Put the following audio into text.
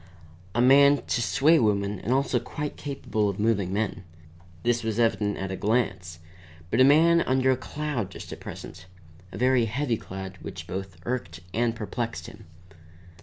A man to sway women and also quite capable of moving men (this was evident at a glance); but a man under a cloud just at present, a very heavy cloud which both irked and perplexed him.